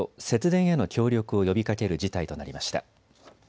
節電への協力を呼びかける事態となりました。